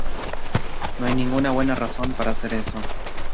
No hay ninguna buena razón para hacer eso.